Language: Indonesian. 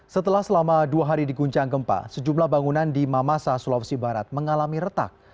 setelah selama dua hari diguncang gempa sejumlah bangunan di mamasa sulawesi barat mengalami retak